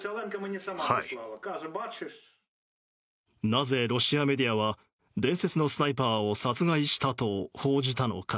なぜ、ロシアメディアは伝説のスナイパーを殺害したと報じたのか。